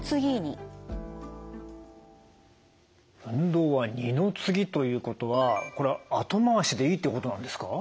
運動は二の次ということはこれは後回しでいいってことなんですか？